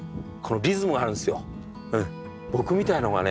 僕みたいのがね